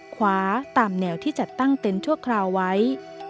ขวาตามแนวที่จัดตั้งเต็นต์ชั่วคราวไว้